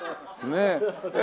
ねえ。